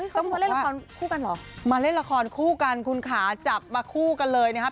เขามาเล่นละครคู่กันเหรอมาเล่นละครคู่กันคุณขาจับมาคู่กันเลยนะครับ